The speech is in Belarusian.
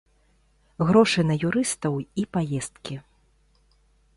Грошы на юрыстаў і паездкі.